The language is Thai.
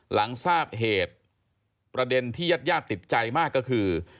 หลังทราบเหตุประเด็นที่ยัดติดใจมากก็คือ